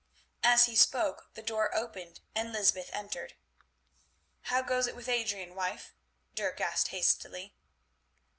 As he spoke the door opened and Lysbeth entered. "How goes it with Adrian, wife?" Dirk asked hastily.